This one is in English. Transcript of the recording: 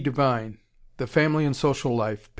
Devine, "The Family and Social Life," p.